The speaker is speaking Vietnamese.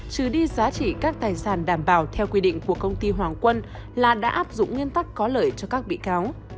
trừ đi giá trị các tài sản đảm bảo theo quy định của công ty hoàng quân là đã áp dụng nguyên tắc có lợi cho các bị cáo